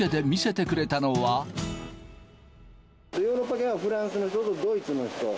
ヨーロッパ系はフランスとドイツの人。